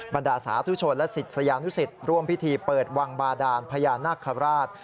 บรรดาสาธุชนและศิษยานุสิตร่วมพิธีเปิดวังบาดานพญานาคาราช